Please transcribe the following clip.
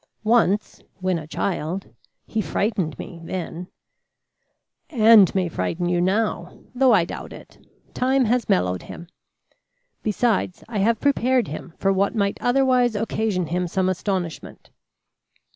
"Once, when a child. He frightened me then." "And may frighten you now; though I doubt it. Time has mellowed him. Besides, I have prepared him for what might otherwise occasion him some astonishment.